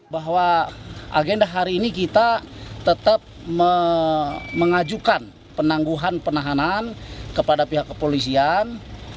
bahwa agenda hari ini kita tetap mengajukan penangguhan penahanan kepada pihak kepolisian